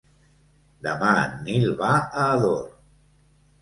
Demà en Nil va a Ador.